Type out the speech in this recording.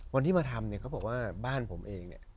วันที่มาทำเนี่ยเขาบอกว่าบ้านผมเองเนี่ย